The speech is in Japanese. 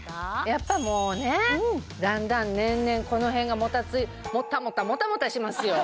やっぱもうねだんだん年々この辺がもたついもたもたもたもたしますよ